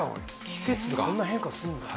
季節でこんなに変化するんだ。